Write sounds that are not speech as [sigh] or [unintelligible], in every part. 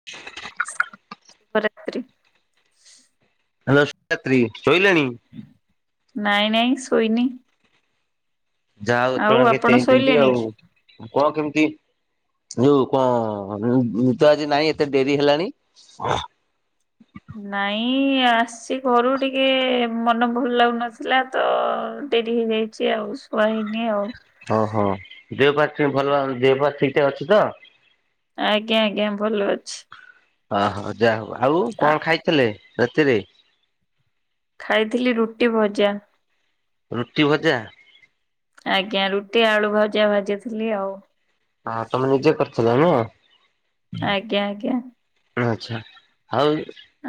ହ [unintelligible] ହ୍ୟାଲୋ [unintelligible] ଶୋଇିଲଣି? ନାଇଁ ନାଇଁ ଶୋଇନି। ଯାହା ଆଉ ଅ ଆପଣ ଚେଇଁଚନ୍ତି ଶୋଇଲେଣି ଆଉ କି? କଣ କେମିତି ଯଉ କଣ ତ ଆଜି ନାଇଁ ଏତେ ଡେରି ହେଲାଣି। ନାଇଁ ଆସି ଘରୁ ଟିକେ ମନ ଭଲ ଲାଗୁନଥିଲା ତ ଡେରି ହେଇଯାଇଛି। ଛି ଆଉ ଶୁଆ ଇନି ଆଉ। ଓହୋ ଦେହ ପା ଭଲ ଦେହ ପା ଠିକ୍ ଠାକ୍ ଅଛି ତ? ଆଜ୍ଞା ଆଜ୍ଞା ଭଲ ଅଛି। ଅହଁ ଯାହା ହଉ ଆଉ ଆ କଣ ଖାଇଥିଲେ ରାତିରେ? ଖାଇଥିଲି ରୁଟି ଭଜା। ରୁଟି ଭଜା? ଆଜ୍ଞା ରୁଟି ଆଳୁ ଭଜା ଭାଜିଥିଲି ଆଉ। ହଁ ତମେ ନିଜେ କରିଥିଲ ନା? ଆଜ୍ଞା ଆଜ୍ଞା। ଆଛା ଆଉ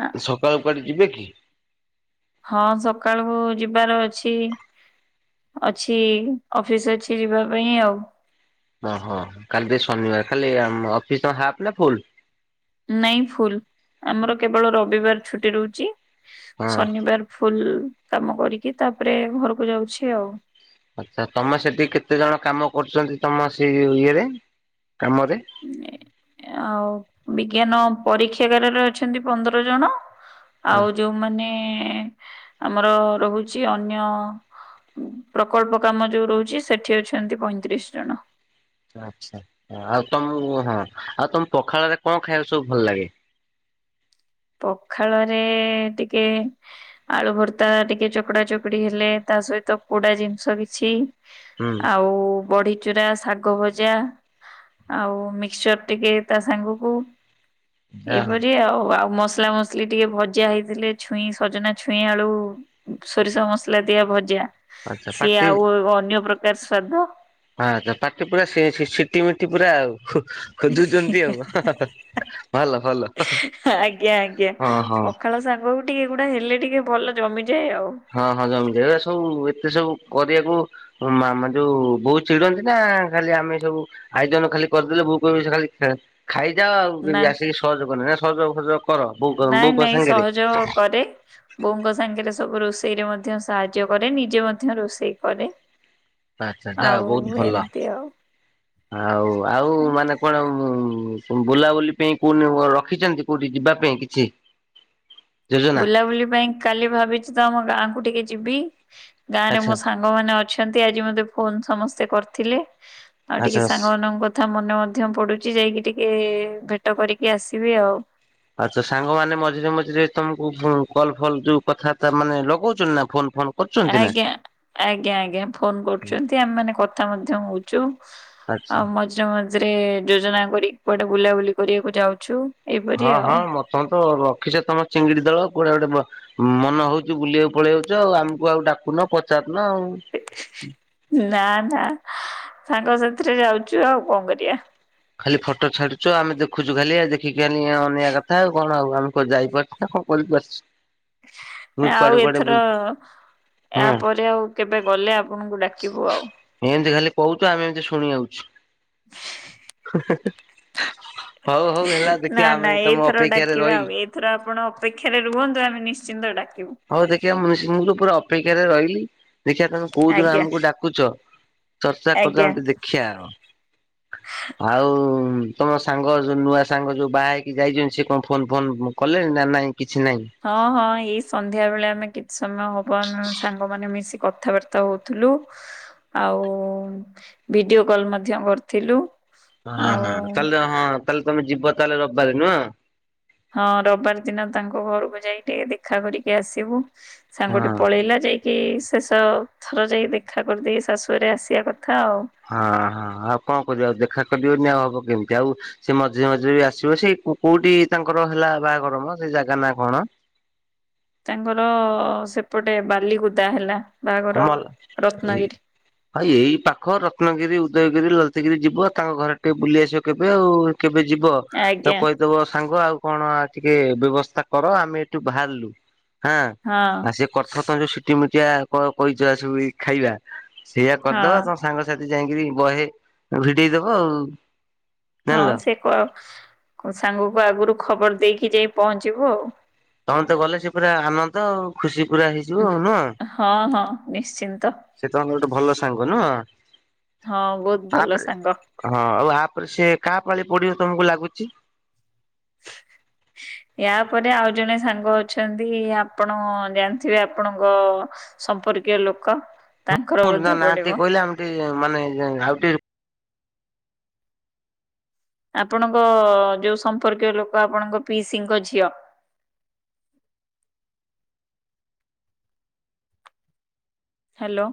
ଆ ସକାଳୁ କୁଆଡୁ ଯିବେ କି? ହଁ ସକାଳକୁ ଯିବାର ଅଛି। ଅଛି ଅଫିସ୍ ଅଛି ଯିବା ପାଇଁ ଆଉ। ଓହୋ କାଲି ଶନିବାର ଖାଲି ଅଫିସ ହା ନା ଫୁଲ? ନାଇଁ ଫୁଲ୍ ଆମର କେବଳ ରବିବାର ଛୁଟି ରହୁଛି, ହଁ ଶନିବାର ଫୁଲ୍ କାମ କରିକି ତାପରେ ଘରକୁ ଯାଉଛି ଆଉ। ଆଚ୍ଛା ତମେ ସେଠି କେତେ ଜଣ କାମ କରୁଛନ୍ତି ତମ ସେଇ ଇଏରେ କାମରେ? [inaudible] ଆଉ ବିଜ୍ଞାନ ପରୀକ୍ଷାଗାରରେ ଅଛନ୍ତି ପନ୍ଦର ଜଣ ଆଉ ଯୋଉ ମାନେ ଆମର ରହୁଛି ଅନ୍ୟ ପ୍ରକଳ୍ପ କାମ ଯୋଉ ରହୁଛି ସେଠି ଅଛନ୍ତି ପଇଁତିରିଶ ଜଣ। ଆଛା ଆଉ ତମକୁ ହଁ ଆଉ ତମ ପଖାଳରେ କଣ ଖାଇବା ସବୁ ଭଲ ଲାଗେ? ପଖାଳରେ ଟିକେ ଆଳୁ ଭର୍ତ୍ତା ଟିକେ ଚକଡା ଚକଡି ହେଲେ ତା ସହିତ ପୋଡା ଜିନିଷ କିଛି। ହୁଁ ଆଉ ବଢି। ବଡ଼ି ଚୁରା ଶାଗ ଭଜା ଆଉ ମିକ୍ସଚର ଟିକେ ତା ସାଙ୍ଗକୁ। ଯାହା ଏଇପରି ଆଉ ଆଉ ମସଲା ମସଲି ଟିକେ ଭଜାଆ ହେଇଥିଲେ ଛୁଇଁ ସଜନା ଛୁଇଁ ଆଳୁ। ସୋରିଷ ମସଲା ଦିଆ ଭଜା ଆଚ୍ଛା ସିଏ ପାଟି ଆଉ ଅନ୍ୟ ପ୍ରକାର ସ୍ଵାଦ ହଁ ତ ପାଟି ପୁରା ସେ ସିଟି ମିଟି ପୁରା ଆଉ। ଖୋଜୁଛନ୍ତି, ଆଉ ଭଲ ଭଲ। ଆଜ୍ଞା ଆଜ୍ଞା ହଁ ହଁ ପଖାଳ ସାଙ୍ଗକୁ ଟିକେ ଏଗୁଡା ହେଲେ ଟିକେ ଭଲ ଜମିଯାଏ ଆଉ। ହଁ ହଁ ଜମିଯାଏ ଏରାସବୁ ଏତେ ସବୁ କରିବାକୁ ମାମା ଯୋଉ ବହୁତ ଚିଡନ୍ତି ନା ଖାଲି ଆମେ ସବୁ ଆଇଜନ ଖାଲି କରିଦେଲେ ବୋ କରିବ ଖାଲି ଖାଇଯାଅ ଆଉ ନା ଆସିକି ସହଯୋଗନ [unintelligible] ସହ ସହ ନାଇଁ ନାଇଁ ସହଯୋଗ କରେ। ବୋଉଙ୍କ ସାଙ୍ଗରେ ସବୁ ରୋଷେଇ ରେ ମଧ୍ୟ ସାହାଯ୍ୟ କରେ ନିଜେ ମଧ୍ୟ ରୋଷେଇ କରେ। ଆଛା ଯାହା ଆଉ ବହୁତ ଭଲ, ଏମିତି ଆଉ। ଆଉ ଆଉ ମାନେ କଣ ବୁଲାବୁଲି ପାଇଁ କୋଉଠି ରଖିଛନ୍ତି କୋଉଠି ଯିବା ପାଇଁ କିଛି? [inaudible] ବୁଲାବୁଲି ପାଇଁ କାଲି ଭାବିଛି ତ ଆମ ଗାଁ କୁ ଟିକେ ଯିବି, ଗାଁ ରେ ଆଚ୍ଛା ମୋ ସା ସାଙ୍ଗ ମାନେ ଅଛନ୍ତି ଆଜି ମତେ ଫୋନ ସମସ୍ତେ କରିଥିଲେ ଆଉ ଆଚ୍ଛା ଟିକେ ସାଙ୍ଗ ମନ କଥା ମନେ ମଧ୍ୟ ପଡୁଛି ଯାଇକି ଟିକେ ଭେଟ କରିକି ଆସିବି ଆଉ। ଆଛ ସାଙ୍ଗମାନେ ମଝିରେ ମଝିରେ ତମକୁ କଲ୍ ଫଲ୍ ଯୋଉ କଥା ବାର୍ତ୍ତା ମାନେ ଲଗଉଛନ୍ତି ନା ଫୋନ୍ ଫୋନ୍? ଆଜ୍ଞା ଆଜ୍ଞା ଆଜ୍ଞା ଫୋନ କରୁଛନ୍ତି ଆମେ ମାନେ କଥା ମଧ୍ୟ ହଉଛୁ। ଆଚ୍ଛା [inaudible] ଆଉ ମଝିରେ ମଝିରେ ଯୋଜନା କରି କୁଆଟେ ବୁଲାବୁଲି କରିବାକୁ ଯାଉଛୁ। ଏଇପରି ହଁ ଆଉ। ହଁ ମଁ ତମେ ତ ରଖିଛ ତମ ଚିଙ୍ଗିଡି ଦଳ କୋଡେ ଗୋଟେ ମନ ହଉଛି ବୁଲିବାକୁ ପଳେଇାଉଛୁ ଆଉ ଆମକୁ ଆଉ ଡାକୁନ ପଚାରୁନ ଆଉ। ନା ନା ସାଙ୍ଗ ସାଥିରେ ଯାଉଛୁ ଆଉ କଣ କରିବା। ଖାଲି ଫଟୋ ଛାଡୁଚ ଆମେ ଦେଖୁଛୁ ଖାଲିଆ ଦେଖିକି ଖାଲି ଅନିଆ କଥା ଆଉ କଣ ଆଉ ଆମ କ ଯାଇପାରୁଛ ନା କଣ ବ ବସ୍ [inaudible] ଆଉ ଏଥର ଏହା ହଁ ପରେ ଆଉ କେବେ ଗଲେ ଆପଣଙ୍କୁ ଡାକିବୁ ଆଉ। ଏମତି ଖାଲି କହୁଛୁ ଆମେ ଏମତି ଶୁଣି ଆଉଛୁ। [inaudible] ହଉ ହଉ ହେଲା ଦେଖିବା ଆମେ ତମ ଅପେକ୍ଷାରେ ରହିଲୁ। ଏଥର ଆପଣ ଅପେକ୍ଷାରେ ରୁହନ୍ତୁ ଆମେ ନିଶ୍ଚିନ୍ତ ଡାକିବୁ। ହଉ ଦେଖିବା ମୁଁ ନିଶ୍ଚିନ୍ତ ପୁରା ଅପେକ୍ଷାରେ ରହିଲି ଦେଖିବା ତମେ କୋଉ ଦିନ ଆଜ୍ଞା ଆମକୁ ଡାକୁଚ। ଚର୍ଚ୍ଚା ଫର୍ଚ୍ଚା ଆଜ୍ଞା। ଆମେ ଟିକେ ଦେଖିବା ଆଉ। ଆଉ ତମ ସାଙ୍ଗ ଯୋଉ ନୂଆ ସାଙ୍ଗ ଯୋଉ ବାହା ହେଇକି ଯାଇଛନ୍ତି ସେ କଣ ଫୋନ୍ ଫୋନ୍ କଲେଣି ନାଁ ନାଇଁ? କିଛି ନାହିଁ? ହଁ ହଁ ଏଇ ସନ୍ଧ୍ୟା ବେଳେ ଆମେ କିଛି ସମୟ ହବ ଆମେ ସାଙ୍ଗମାନେ ମିଶି କଥାବା ର୍ତ୍ତା ହଉଥିଲୁ ଆଉ ଭିଡିଓ କଲ୍ ମଧ୍ୟ କରିଥିଲୁ। ହଁ ଆଉ ହଁ ତାହାଲେ ହଁ ତାହେଲେ ତମେ ଯିବ ତାହେଲେ ରବିବାର ନୁହଁ? ହଁ ରବିବାର ଦିନ ତାଙ୍କ ଘରକୁ ଯାଇକି ଦେଖା କରିକି ଆସିବୁ ହଁ ସାଙ୍ଗଟେ ହଁ ପଳେଇଲା ଯେ କି ଶେଷ ଥର ଯାଇକି ଦେଖା କରିଦେଇ ଶାଶୁ ଘରେ ଆସିବା କଥା ଆଉ। ହଁ ହଁ ଆଉ କଣ କରିବା ଆଉ ଦେଖା କରିବାନି ଆଉ ହବ କେମିତି ଆଉ ସେ ମଝିରେ ମଝିରେ ବି ଆସିବେ ସେଇ କୋ କୋଉଠି ତାଙ୍କର ହେଲା ବାହାଘର ମ ସେ ଜାଗା ନା କଣ? ତାଙ୍କର ସେପଟେ ବାଲିକୁଦା ହେଲା ବାହାଘର ରତ୍ନାଗିରି। ଭାଇ ଏଇ ପାଖ ରତ୍ନାଗିରି ଉଦୟଗିରି ଲଳିତା ଗିରି ଯିବ ତାଙ୍କ ଘର ଆଡେ ଟିକେ ବୁଲି ଆସିବ କେବେ ଆଉ କେବେ ଯିବ? ଆଜ୍ଞା ତାକୁ କହିଦବ ସାଙ୍ଗ ଆଉ କଣ ଟିକେ ବ୍ୟବସ୍ଥା କର ଆମେ ଏଠୁ ବାହାରିଲୁ। ହାଁ ହଁ ଆଉ ସିଏ କରିଥିବ ତମେ ଯୋଉ ସିଠି ମିଠିଆ କ କହିଛ ସବୁ ଖାଇବା ସେଇଆ ହଁ କରିଦବା ତମ ସାଙ୍ଗସାଥି ଯାଇଁକିରି ବହେ ଭିଡେଇ ଦବ ଆଉ। ହଁ ଜାଣିଲ ସେ କ କୋଉ ସାଙ୍ଗକୁ ଆଗରୁ ଖବର ଦେଇକି ଯାଇ ପହଞ୍ଚିବୁ ଆଉ। ତମେମାନେ ତ ଗଲେ ସେ ପୁରା ଆନନ୍ଦ ଆଉ ଖୁସି ପୁରା ହେଇଯିବ ଉଁ ଆଉ ନୁହଁ? ହଁ ହଁ ନିଶ୍ଚିନ୍ତ ସେ ତମର ଗୋଟେ ଭଲ ସାଙ୍ଗ ନୁହଁ? ହଁ ବହୁତ ଭଲ ତାପରେ ସାଙ୍ଗ। ହଁ ଆଉ ଆ ପରେ ସେ କାହା ପାଳି ପଡିବ ତମକୁ ଲାଗୁଛି? ୟା ପରେ ଆଉ ଜଣେ ସାଙ୍ଗ ଅଛନ୍ତି ଆପଣ ଜାଣିଥିବେ ଆପଣଙ୍କ ସମ୍ପର୍କୀୟ ଲୋକ। ତାଙ୍କର ହଁ ବୋଧେ ନାଁ ନାଁ ପଡିବ ଟିକେ କହିଲେ ଆମେ ବି ମାନେ ଆଉ ଟି ଆପଣଙ୍କ ଯୋଉ ସମ୍ପର୍କୀୟ ଲୋକ ଆପଣଙ୍କ ପିଇସିଙ୍କ ଝିଅ। ହାଲୋ।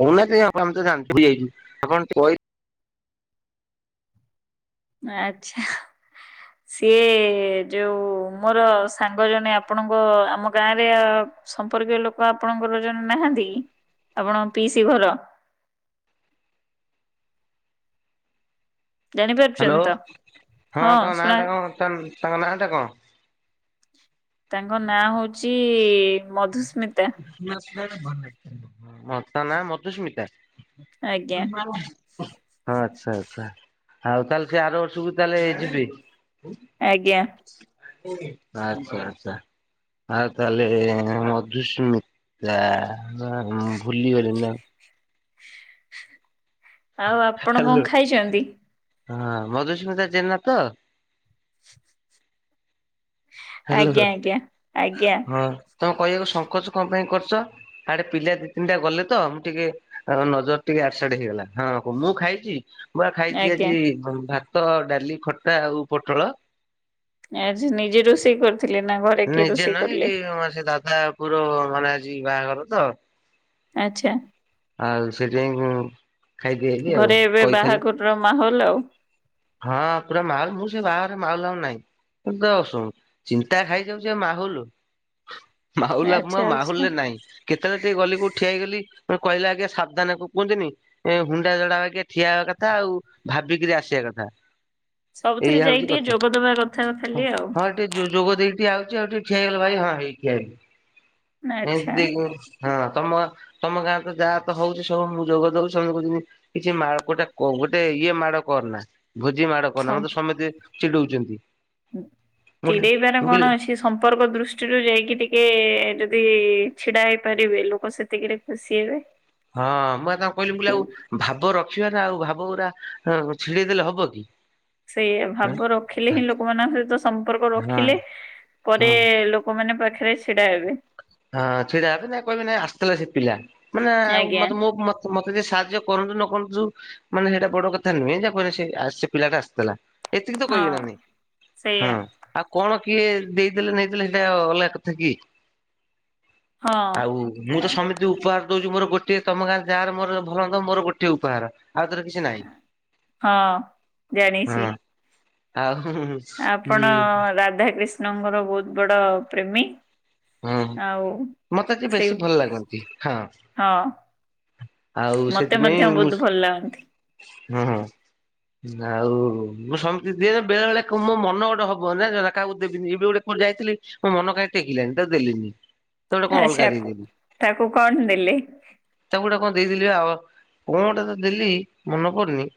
କହୁନାହାନ୍ତି ଆପଣମାନେ ତ ଜାଣିଛନ୍ତି ଏଇଠି ଆପଣ କହି ଆଛା। ସିଏ ଯୋଉ ମୋର ସାଙ୍ଗ ଜଣେ ଆପଣଙ୍କ ଆମ ଗାଁ ରେ ସମ୍ପର୍କୀୟ ଲୋକ ଆପଣଙ୍କର ଜଣେ ନାହାନ୍ତି କି ଆପଣଙ୍କ ପିଇସି ଘର। ହାଲୋ ଜାଣିପାରୁଛନ୍ତି ତ ହଁ ହଁ ତାଙ୍କ ନାଁ ଶୁଣା ଟା କଣ ତାଙ୍କ ନାଁ ତାଙ୍କ ନାଁ ଟା କଣ? ତାଙ୍କ ନାଁ ହଉଛି ମଧୁସ୍ମିତା। [unintelligible] ହୁଁ ତାଙ୍କ ନାଁ ମଧୁସ୍ମିତା ଆଜ୍ଞା [unintelligible] ହଁ ଆଚ୍ଛା ଆଚ୍ଛା ଆଉ ତାହେଲେ ସେ ଆର ବର୍ଷକୁ ତାହେଲେ ଯିବେ? ଆଜ୍ଞା। ଆଚ୍ଛା ଆଚ୍ଛା। ଆଉ ତାହେଲେ ମଧୁସ୍ମିତା ମୁଁ ଭୁଲିଗଲିଣି ନାଁ। ଆଉ ଆପଣ କଣ ହ୍ୟାଲୋ। ଖାଇଛନ୍ତି? ହଁ ମଧୁସ୍ମିତା ଜେନା ତ? ହାଲୋ ଆଜ୍ଞା ହଁ ଆଜ୍ଞା ଆଜ୍ଞା ତମେ କହିବାକୁ ସଂଙ୍କୋଚ କଣ ପାଇଁ କରୁଛ? ଆଡେ ପିଲା ଦି ତିନିଟା ଗଲେ ତ ମୁଁ ଟିକେ ନଜର ଟିକେ ଆଡେ ସାଡେ ହେଇଗଲା ହଁ ମୁଁ ଖାଇଛି। ମୁଁ ବା ଖାଇଛି ଆଜ୍ଞା। ଆଜି ଭାତ ଡାଲି ଖଟା ଆଉ ପୋଟଳ। ଆଜି ନିଜେ ରୋଷେଇ କରି ଥିଲେ ନାଁ କଣ? ନିଜେ ନାହିଁ ଏଠି ମୋର ସେ ଦାଦା ପୁଅ ର ମାନେ ଆଜି ବାହାଘର ତ ଆଚ୍ଛା। ଆଉ ସେଠି ମୁଁ ଖାଇକି ଆଇଲି ଆଉ କହିଥେଲେ। ର ମାହୋଲ୍ ଆଉ। ହଁ ପୁରା ମାଲ ମୁଁ ସେ ବାହାଘରେ ମାଲ ଆଉ ନାହିଁ। ମୋର ତ ସୁ ଚିନ୍ତା ଖାଇଯାଉଚି ଆଉ ମାହୋଲୁ। ମାହୋଲୁ ଆଉ ମୋ ଆଚ୍ଛା ଆଚ୍ଛା। ମାହୁଲରେ ନାଇଁ। କେତେବେଳେ ଟିକେ ଗଲି କୋଉଠି ଠିଆ ହେଇଗଲି କହିଲେ ଆଜ୍ଞା ସାବଧାନ କୁ କୁହନ୍ତିନି ଏ ହୁଣ୍ଡା ଜଡା ବାଗିଆ ଠିଆ ହବା କଥା ଆଉ ଭାବିକିରି ଆସିବା କଥା। ସବୁଥିରେ ଏଇଆ ଯାଇକି ଟିକେ ଯୋଗଦବା କଥା ଖାଲି ଆଉ। ଟି ଯୋ ଯୋଗ ଦେଇକି ଟି ଆଉଚି ଆଉ ଟିକେ ଠିଆ ହେଇଗଲେ ଭାଇ ହଁ ଏଇ ଠିଆ ହେଇ ଏ ଆଚ୍ଛା। ଦେଇକି ହଁ ତମ ତମ ଗାଁ ତ ଯାହା ତ ହଉଚି ସବୁ ମୁଁ ଯୋଗ ଦଉଛି ସମସ୍ତେ କହୁଚନ୍ତି କିଛି ମା ଗୋଟେ କ ଗୋଟେ ଇଏ ମାଡ କର ନା ଭୋଜି ମାଡ କରନା ମତେ ସମତେ ଚିଡଉଚନ୍ତି। ଚିଡେଇବାର କଣ ଅଛି। କି ସମ୍ପର୍କ ଦୃଷ୍ଟିରୁ ଯାଇକି ଟିକେ ଯଦି ଛିଡ଼ା ହେଇପାରିବେ ଲୋକ ସେତିକିରେ ଖୁସି ହେବେ। ହଁ ମୁଁ ପା ତାଙ୍କୁ କଇଲି ମୁଁ କଇଲି ଆଉ ଭାବ ରଖିବା ନା ଆଉ ଭାବ ପୁରା ଉ ଛିଡେଇ ଦେଲେ ହବ କି। ସେଇଆ ଭାବ ରଖିଲେ ହଁ ହିଁ ଲୋକମାନଙ୍କ ସହିତ ସମ୍ପର୍କ ରଖିଲେ ପରେ ହଁ ଲୋ କମାନେ ପାଖେରେ ଛିଡା ହେବେ। ହଁ ଛିଡ଼ା ହେବେ ନାଇ କହିବେ ନାଇଁ ଆସିଥିଲା ସେ ପିଲା ମାନେ ଉ ଆଜ୍ଞା ମତେ ମୁଁ ମ ତ ମତେ ଯିଏ ସାହାଯ୍ୟ କରନ୍ତୁ ନ କରନ୍ତୁ ମାନେ ସେଇଟା ବଡ କଥା ନୁହେଁ। [unintelligible] ସେ ଆସ୍ ସେ ପିଲାଟା ଆସିଥିଲା। ଏତିକି ତ କହିବେ ହଁ ନା ନାହିଁ। ହଁ। ସେଇଆ ଆଉ କଣ କିଏ ଦେଇଦେଲେ ନେଇଦେଲେ ସେଇଟା ଅଲଗା କଥା କି? ହଁ ଆଉ ମୁଁ ତ ସମିତି ଉପହାର ଦଉଚି ମୋର ଗୋଟିଏ ତମ ଗାଁରେ ଯାହାର ମୋର ଭଲ ମୋର ଗୋଟିଏ ଉପହାର। ଆଉ ତାର କିଛି ନାହିଁ ହଁ। ଜାଣିଛି ହଁ। ଆଉ ଆପଣ ରାଧାକ୍ରିଷ୍ଣଙ୍କର ବହୁତ ବଡ ପ୍ରେମୀ। ହଁ ଆଉ ମତେ ଟିକେ ସେଇ ବେଶୀ ଭଲ [unintelligible] ଲାଗନ୍ତି ହଁ। ହଁ। ମତେ ମଧ୍ୟ ବହୁତ ଭଲ ଲାଗନ୍ତି। ହୁଁ ଉଁ। ଆଉ ମୁଁ ସମତି ଦିଏ ବେଳେ ବେଳେ କ ମୋ ମନ ଗୋଟେ ହବ ନା ଜ କାହାକୁ ଦେବିନି ଏବେ ଗୋଟେ ମୁଁ ଯାଇଥିଲି ମୋ ମନ କାଇଁ ଟେକିଲାଣି ତାକୁ ଦେଲିନି। ତାକୁ ଗୋଟେ କଣ ଅଲଗା ଆଚ୍ଛା କୁ ଦେଇଦେଲି ତାକୁ କଣ ଦେଲେ? ତାକୁ ଗୋଟେ କଣ ଦେଇଦେଲି ଆଉ କଣ ଗୋଟେ ତ ଦେଲି ମନେ ପଡୁନି।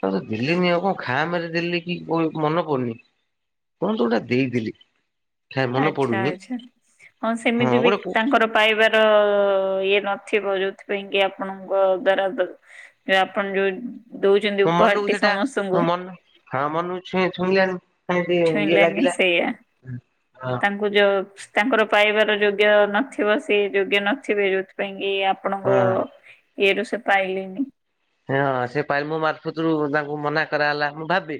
ତାକୁ ତ ଦେଲିନି ଆଉ କଣ ଖାମ ରେ ଦେଲି କି କୋ ମନେ ପଡୁନି। କଣ ତ ଗୋଟେ ଦେଇଦେଲି କା ମନେ ଆଚ୍ଛା ପଡୁନି। ଆଚ୍ଛା। ହଁ ସେମିତି ବି ତାଙ୍କର ପାଇବାର ଇଏ ନଥିବ ଯୋଉଥିପାଇଁ କି ଆପଣଙ୍କ ଦ୍ଵାରା ଦ ଯ ଆପଣ ଯୋଉ ଦଉଚନ୍ତି ମୋ ମନକୁ ଉପହାରଟି ସେଇଟା ସମସ୍ତଙ୍କୁ ମନ ହଁ ମନୁକୁ ଛୁ ଛୁଇଁଲାନି ପୁଣି ଟି ଇଏ ଛୁଇଁଲାନି ଲାଗିଲା ହଁ। କୁ ଜ ତାଙ୍କର ପାଇବାର ଯୋଗ୍ୟ ନଥିବ ସେ ଯୋଗ୍ୟ ନଥିବେ ଯୋ ଉଥି ପାଇଁ କି ଆପଣଙ୍କ ହଁ ଏରୁ ସେ ପାଇଲିନି। ହଁଁ ସେ ପାଇ ମୋ ମାରଫତରୁ ତାଙ୍କୁ ମନା କରାହେଲା ମୁଁ ଭାବି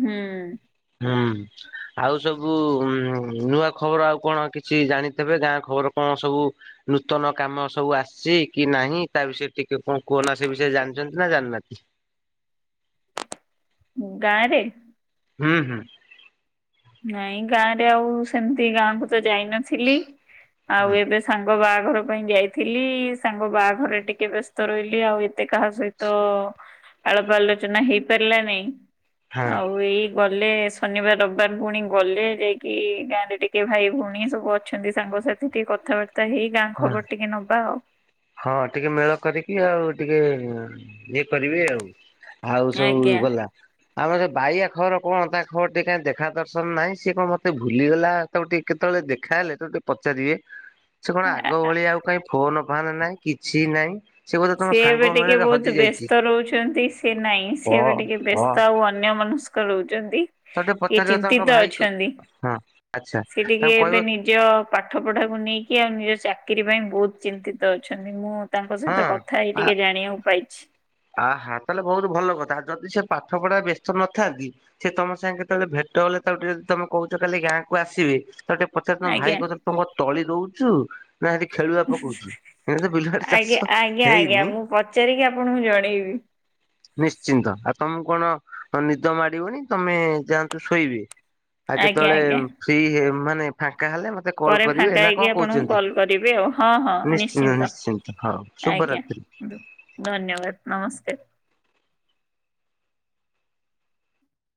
ହୁଁ। ହୁଁ। ଆଉ ସବୁ ଉ ନୂଆ ଖବର ଆଉ କଣ କିଛି ଜାଣିଥିବେ ଗାଁ ଖବର କଣ ସବୁ ନୂତନ କାମ ସବୁ ଆସିଛି କି ନାହିଁ ତା ବିଷୟରେ ଟିକେ କଣ କୁହ ନା ସେ ବିଷୟରେ ଜାଣିଛନ୍ତି ନା ଜାଣିନାହାନ୍ତି? ଗାଁରେ ହୁଁ ହୁଁ। ନାଇଁ ଗାଁ ରେ ଆଉ ସେମିତି ଗାଁ କୁ ତ ଯାଇନଥିଲି ଆଉ ହୁଁ। ଏବେ ସାଙ୍ଗ ବାହାଘର ପାଇଁ ଯାଇଥିଲି, ସାଙ୍ଗ ବାହାଘରେ ଟିକେ ବ୍ୟସ୍ତ ରହିଲି ଆଉ ଏତେ କାହା ସହିତ ତ ଆଳପ ଆଲୋଚନା ହେଇପାରିଲାନାଇଁ। ହଁ ଆଉ ଏଇ ଗଲେ ଶନିବାର, ରବିବାର ବାର ଭୁଣି ଗଲେ ଯାଇକି ଗାଁ ରେ ଟିକେ ଭାଇ ଭଉଣୀ ସବୁ ଅଛନ୍ତି ସାଙ୍ଗସାଥି ଟିକେ କଥାବାର୍ତ୍ତା ହେଇକି ଗାଁ ହଁ ଖବର ଟିକେ ନବା ଆଉ ହଁ ଟିକେ ମେଳ କରିକି ଆଉ ଟିକେ ଇଏ କରିବେ ଆଉ। ଆଉ ସବୁ ଆଜ୍ଞା। ଗଲା ଆମର ଯ ବାଇଆ ଖବର କଣ, ତା ଖବର ଟିକେ କଣ ଦେଖା ଦର୍ଶନ ନାହିଁ, ସିଏ କଣ ମତେ ଭୁଲିଗଲା। ତାକୁ ଟିକେ କେତେବେଳେ ଦେଖା ହେଲେ ତାକୁ ଟିକେ ପଚାରିବେ। ସେ କଣ ଆଗ ଭଳିଆ ଆଉ କାଇଁ ଫୋନ ଫାନ୍ ନାହିଁ, କିଛି ନାହିଁ। ବୋଧେ ତମ ସେ ସାଙ୍ଗ ଏବେ ଟିକେ ମେଳରେ ହଜି ବହୁତ ଯାଇଛି। ବ୍ୟସ୍ତ ରହୁଛନ୍ତି, ସେ ନାଇଁ କହ ସେ ଏବେ ଟିକେ କହ ବ୍ୟସ୍ତ ଆଉ ଅନ୍ୟ ମନ ରହୁଛନ୍ତି। ତ ଟିକେ ପଚାରିବ ଚିନ୍ତିତ ତାଙ୍କ ଭାଇକ ଅଛନ୍ତି। ହଁ ଆଚ୍ଛା ସେ ଟିକେ ତାଙ୍କୁ କହିବ ଏବେ ନିଜ ପାଠ ପଢାକୁ ନେଇକି ଆଉ ନିଜ ଚାକିରୀ ପାଇଁ ବହୁତ ଚିନ୍ତିତ ଅଛନ୍ତି, ମୁଁ ତାଙ୍କ ହଁ ସହିତ କଥା ହେଇ ଟିକେ ଜାଣିବାକୁ ପାଇଛି। ଆ ହା ତାହେଲେ ବହୁତ ଭଲ କଥା, ଯଦି ସେ ପାଠ ପଢା ବ୍ୟସ୍ତ ନଥାନ୍ତି ସେ ତମ ସାଙ୍ଗ କେତେବେଳେ ଭେଟ ହେଲେ, ତାକୁ ଟିକେ ତମେ କହୁଛ କାଲି ଗାଁକୁ ଆସିବେ, ତାକୁ ଟିକେ ପଚାର ତମ ଭାଇ ଆଜ୍ଞା [unintelligible] ତଳି ଦଉଛୁ। ନା ସେଠି ଖେଳୁଆ ପକଉଛୁ, ଏଇନା ତ ବିଲବାଡି ଆଜ୍ଞା ଚାଷ ଆଜ୍ଞା ଆଜ୍ଞା ହେଇନି। ମୁଁ ପଚାରିକି ଆପଣଙ୍କୁ ଜଣେଇବି। ନିଶ୍ଚିନ୍ତ, ଆପଣ ଙ୍କୁ କଣ ନିଦ ମାଡିବନି ତମେ ଯାଆନ୍ତୁ ଶୋଇବେ। ଆଉ ଆଜ୍ଞା କେତେବେଳେ ଆଜ୍ଞା ଫ୍ରି ମାନେ ଫାଙ୍କା ହେଲେ ମତେ କଲ୍ ପରେ କରିବେ ଫାଙ୍କା ନା କଣ ହେଇକି ଆପଣଙ୍କୁ କହୁଛନ୍ତି? କଲ କରିବି ଆଉ ହଁ ହଁ ନିଶ୍ଚିନ୍ତ ଆଜ୍ଞା ଧନ୍ୟବାଦ ନମସ୍ତେ।